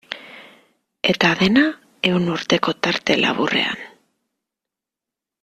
Eta dena ehun urteko tarte laburrean.